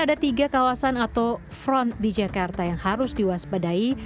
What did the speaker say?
ada tiga kawasan atau front di jakarta yang harus diwaspadai